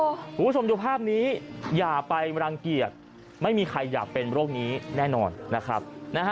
คุณผู้ชมดูภาพนี้อย่าไปรังเกียจไม่มีใครอยากเป็นโรคนี้แน่นอนนะครับ